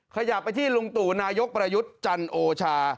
ขยับไปที่ลุงตู่นายกประยุทธ์จันโอชา